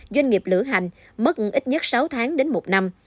doanh nghiệp lửa hành mất ít nhất sáu tháng đến một năm